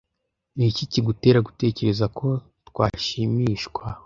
Niki kigutera gutekereza ko twashimishwa?